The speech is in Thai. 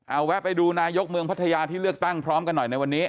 เอาแวะไปดูนายกเมืองพัทยาที่เลือกตั้งพร้อมกันหน่อยในวันนี้